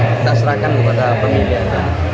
kita serahkan kepada pemilihan